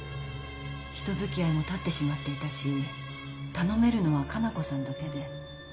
人付き合いもたってしまっていたし頼めるのは加奈子さんだけで。